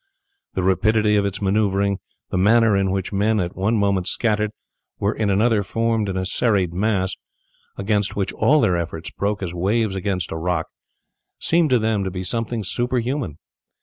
The rapidity of its maneuvering, the manner in which men, at one moment scattered, were in another formed in a serried mass, against which all their efforts broke as waves against a rock, seemed to them to be something superhuman.